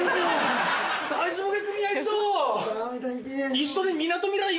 一緒に。